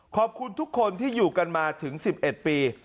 ขอบคุณทุกคนที่อยู่กันมาถึง๑๑ปี